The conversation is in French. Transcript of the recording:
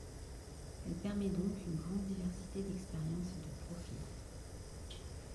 Elle permet donc une grande diversité d'expériences et de profils.